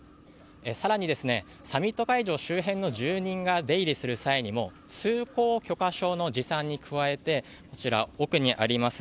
更に、サミット会場周辺の住人が出入りする際にも通行許可証の持参に加えて奥にあります